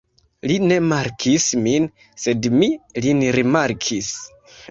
Li ne rimarkis min, sed mi – lin rimarkis.